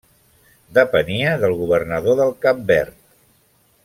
Depenia del governador del Cap Verd.